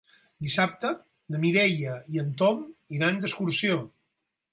Dissabte na Mireia i en Tom iran d'excursió.